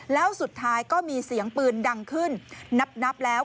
แล้วสุดท้ายก็มีเสียงปืนดังขึ้นนับแล้ว